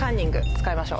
使いましょう。